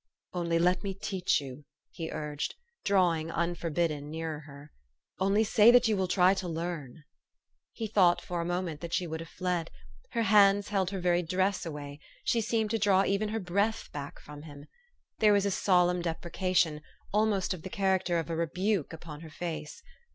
" Only let me teach you! " he urged, drawing, unforbidden, nearer her. " Only say that you will try to learn! " He thought for a moment that she would have fled ; her hands held her very dress away ; she seemed to draw even her breath back from him. There was a solemn deprecation, almost of the character of a rebuke, upon her face.